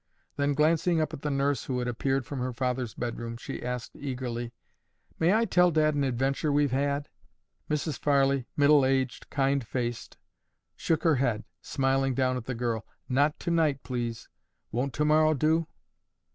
Then, glancing up at the nurse who had appeared from her father's bedroom, she asked eagerly, "May I tell Dad an adventure we've had?" Mrs. Farley, middle aged, kind faced, shook her head, smiling down at the girl. "Not tonight, please. Won't tomorrow do?"